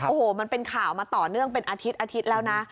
โอ้โหมันเป็นข่าวมาต่อเนื่องเป็นอาทิตย์อาทิตย์แล้วนะ